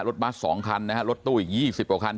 รถบ้านสองคันนะฮะรถตู้อีกยี่สิบกว่าคัน